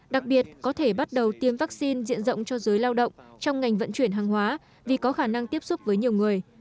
đặc biệt có thể bắt đầu tiêm vaccine diện rộng cho giới lao động trong ngành vận chuyển hàng hóa vì có khả năng tiếp xúc với nhiều người